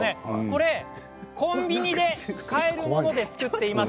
コンビニで買えるもので作っています。